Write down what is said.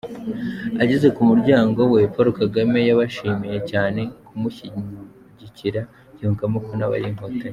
Ageze ku muryango we, Paul Kagame yabashimiye cyane kumushyingikira, yungamo ko nabo ari Inkotanyi.